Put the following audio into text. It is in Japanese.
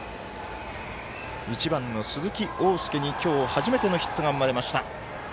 １番の鈴木凰介に今日初めてのヒットが生まれました。